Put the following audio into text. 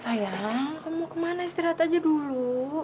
sayang kamu mau kemana istirahat saja dulu